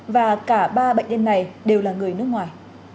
và cả ba bệnh nhân này đều là người nước ngoài